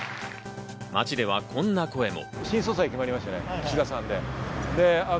街ではこんな声も。